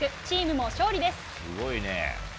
チームも勝利です。